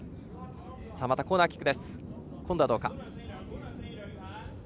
またコーナーキック。